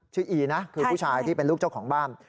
อีนะคือผู้ชายที่เป็นลูกเจ้าของบ้าน